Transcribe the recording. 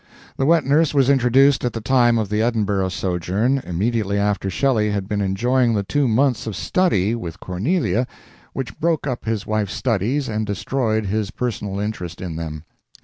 The wet nurse was introduced at the time of the Edinburgh sojourn, immediately after Shelley had been enjoying the two months of study with Cornelia which broke up his wife's studies and destroyed his personal interest in them.